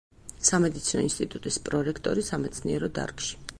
სამედიცინო ინსტიტუტის პრორექტორი სამეცნიერო დარგში.